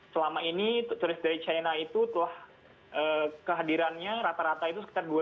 selama ini turis dari china itu telah kehadirannya rata rata itu sekitar dua ratus